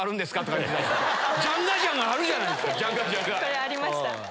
これありました。